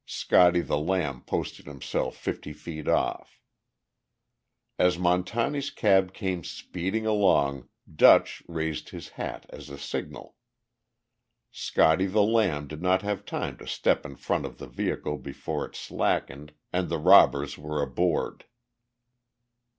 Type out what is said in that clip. "Scotty the Lamb" posted himself fifty feet off. As Montani's cab came speeding along, "Dutch" raised his hat as a signal. "Scotty the Lamb" did not have time to step in front of the vehicle before it slackened, and the robbers were aboard.